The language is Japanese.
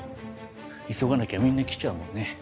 急がなきゃみんな来ちゃうもんね。